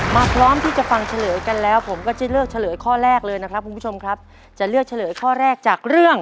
พร้อมที่จะฟังเฉลยกันแล้วผมก็จะเลือกเฉลยข้อแรกเลยนะครับคุณผู้ชมครับจะเลือกเฉลยข้อแรกจากเรื่อง